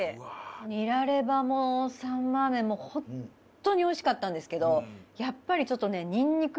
ニラレバもサンマーメンも本当においしかったんですけどやっぱりちょっとねにんにく